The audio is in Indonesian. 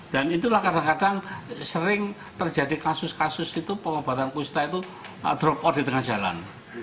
dan itulah kadang kadang sering terjadi kasus kasus pengobatan kusta drop out di tengah jalan